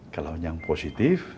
kalau yang positif